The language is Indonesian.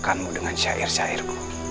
aku akan menaklukkanmu dengan syair syair ku